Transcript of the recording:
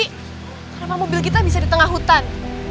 kenapa mobil kita bisa di tengah hutan